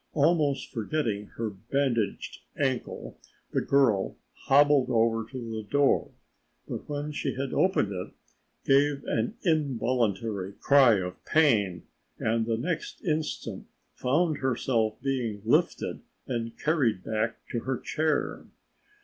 Almost forgetting her bandaged ankle, the girl hobbled over to the door, but when she had opened it gave an involuntary cry of pain and the next instant found herself being lifted and carried back to her chair.